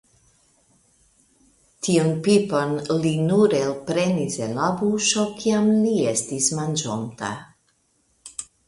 Tiun pipon li nur elprenis el la buŝo, kiam li estis manĝonta.